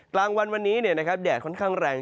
กลางวันวันนี้แดดค่อนข้างแรง